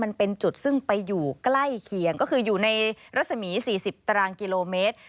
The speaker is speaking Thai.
มันเป็นจุดซึ่งไปอยู่ใกล้เคียงก็คืออยู่ในรัศมี๔๐ตารางกิโลเมตร